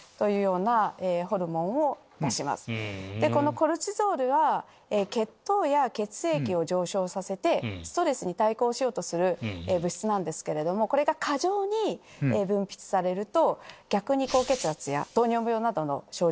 コルチゾールは血糖や血液を上昇させてストレスに対抗しようとする物質なんですけどもこれが過剰に分泌されると。